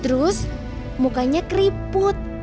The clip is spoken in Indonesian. terus mukanya keriput